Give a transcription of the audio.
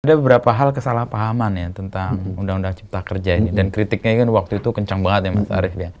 ada beberapa hal kesalahpahaman ya tentang undang undang cipta kerja ini dan kritiknya kan waktu itu kencang banget ya mas arief ya